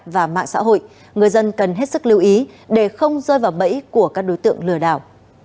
và mạng xã hội người dân cần hết sức lưu ý để không rơi vào bẫy của các đối tượng lừa đảo